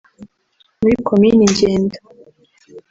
muri komini Ngenda